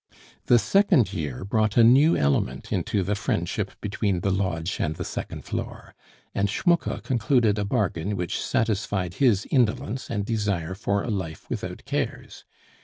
The second year brought a new element into the friendship between the lodge and the second floor, and Schmucke concluded a bargain which satisfied his indolence and desire for a life without cares.